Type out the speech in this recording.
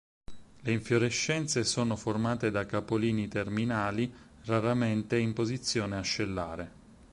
Le infiorescenze sono formate da capolini terminali, raramente in posizione ascellare.